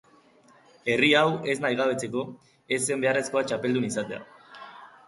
Herri hau ez nahigabetzeko, ez zen beharrezkoa txapeldun izatea.